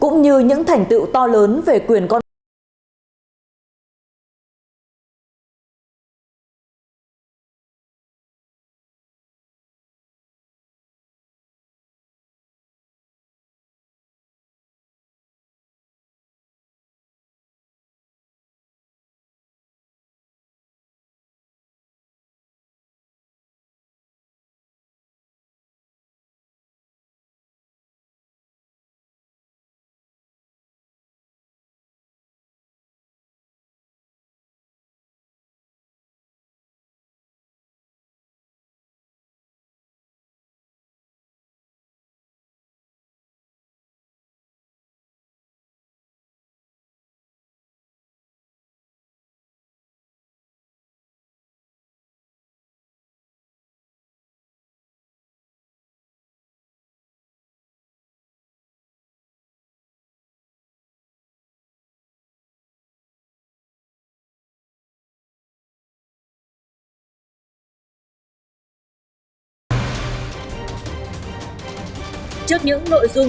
cũng như những thành tựu to lớn về quyền con đường